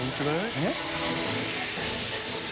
えっ！